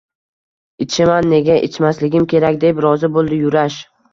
Ichaman, nega ichmasligim kerak, – deb rozi boʻldi Yurash.